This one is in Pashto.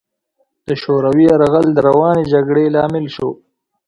د شوروي یرغل د روانې جګړې لامل شو.